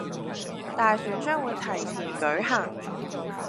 大選將會提前舉行